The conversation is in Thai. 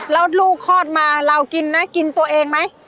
แล้วลูกคลอดมาเรากินนะกินตัวเองไหม